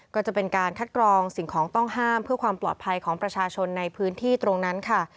ก็จะเป็นการคัดกรองสิ่งของต้องห้ามเพื่อความปลอดภัยของประชาชนในพื้นที่ตรงนั้นค่ะ